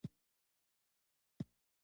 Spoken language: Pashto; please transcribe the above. زه هیله لرم، چي تل په ژوند کښي بریالی اوسم.